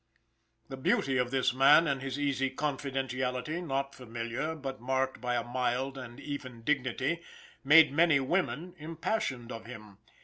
The beauty of this man and his easy confidentiality, not familiar, but marked by a mild and even dignity, made many women impassioned of him.